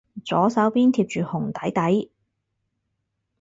左手邊貼住紅底底